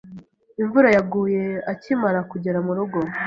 Imvura yaguye akimara kugera murugo.